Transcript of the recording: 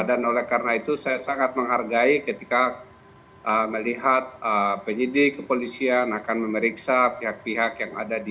dan oleh karena itu saya sangat menghargai ketika melihat penyidik kepolisian akan memeriksa pihak pihak yang ada di pssi